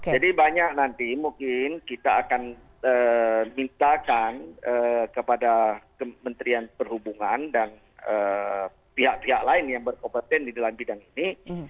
jadi banyak nanti mungkin kita akan mintakan kepada kementerian perhubungan dan pihak pihak lain yang berkompetensi di dalam bidang ini